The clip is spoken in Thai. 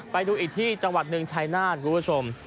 ไปดูอีกที่จังหวัดหนึ่งชัยนาธิบรีเวียง